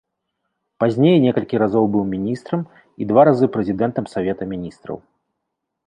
Пазней некалькі разоў быў міністрам і два разы прэзідэнтам савета міністраў.